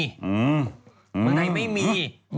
เมืองไทยไม่มี